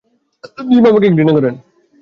Gym, ওনি আমাকে ঘৃণা করেন।